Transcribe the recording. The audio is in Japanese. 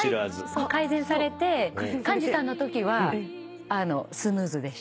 改善されて幹二さんのときはスムーズでした。